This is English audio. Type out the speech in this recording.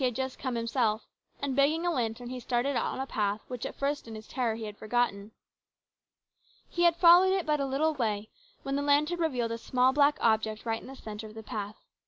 had just come himself, and begging a lantern he started out on a path, which at first, in his terror, he had forgotten. He had followed it but a little way when the lantern revealed a small black object right in the centre of the path.